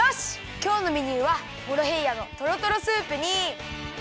きょうのメニューはモロヘイヤのとろとろスープにきまり！